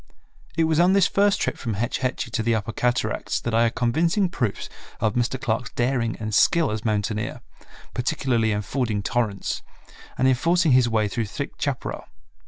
It was on this first trip from Hetch Hetchy to the upper cataracts that I had convincing proofs of Mr. Clark's daring and skill as mountaineer, particularly in fording torrents, and in forcing his way through thick chaparral.